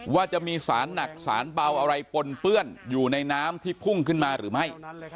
ว่าจะมีสารหนักสารเบาอะไรปนเปื้อนอยู่ในน้ำที่พุ่งขึ้นมาหรือไม่